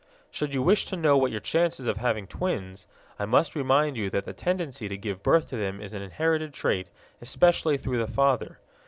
Should you wish to know what are your chances of having twins, I must remind you that the tendency to give birth to them is an inherited trait, especially through the father.